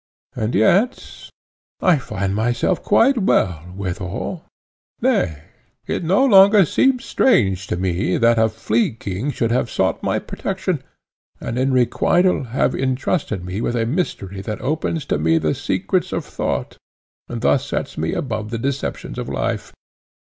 And yet I find myself quite well, withal: nay, it no longer seems strange to me that a Flea king should have sought my protection, and, in requital have entrusted me with a mystery that opens to me the secrets of thought, and thus sets me above the deceptions of life.